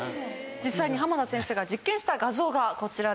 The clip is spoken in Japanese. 実際に浜田先生が実験した画像がこちらですね。